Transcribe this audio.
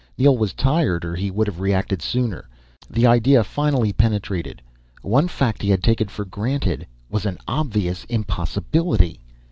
Neel was tired, or he would have reacted sooner. The idea finally penetrated. One fact he had taken for granted was an obvious impossibility.